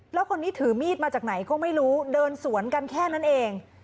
แล้วคนนี้ถือมีดมาจากไหนก็ไม่รู้เดินสวนกันแค่นั้นเอง